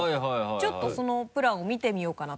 ちょっとそのプランを見てみようかなと。